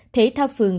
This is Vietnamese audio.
thể thao phường